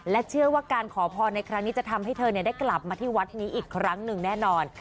เชื่อว่าการขอพรในครั้งนี้จะทำให้เธอได้กลับมาที่วัดนี้อีกครั้งหนึ่งแน่นอน